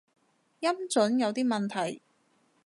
音準有啲問題